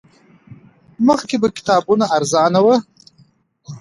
مخکې به کتابونه ارزان وو